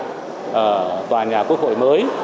ở tòa nhà quốc hội mới